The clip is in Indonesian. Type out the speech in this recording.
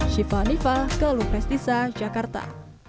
syifa hanifah kelu prestisa jakarta